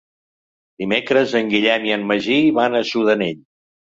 Dimecres en Guillem i en Magí van a Sudanell.